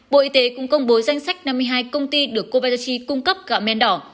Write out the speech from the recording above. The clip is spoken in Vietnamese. bộ y tế cũng công bố danh sách năm mươi hai công ty được kovadagi cung cấp gạo men đỏ